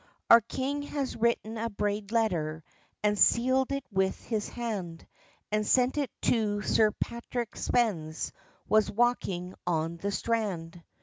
Our king has written a braid letter, And seald it with his hand, And sent it to Sir Patrick Spens, Was walking on the strand.